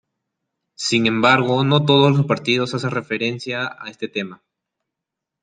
Sin embargo, no todos los partidos hacen referencia a este tema.